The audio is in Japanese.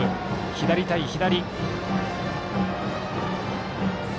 左対左。